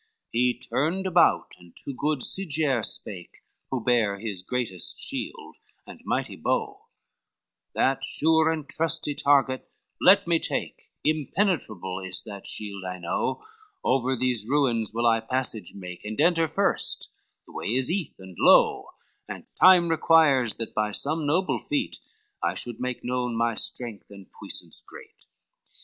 LIII He turned about and to good Sigiere spake, Who bare his greatest shield and mighty bow, "That sure and trusty target let me take, Impenetrable is that shield I know, Over these ruins will I passage make, And enter first, the way is eath and low, And time requires that by some noble feat I should make known my strength and puissance great."